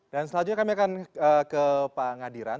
dan selanjutnya kami akan ke pak ngadiran